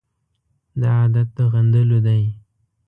دا عادت د غندلو دی.